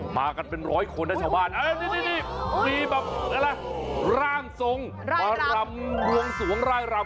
มากันเป็นร้อยคนนะชาวบ้านอ่ะดีมีร่างสงตร์มารำลวงสวงร่ายรำ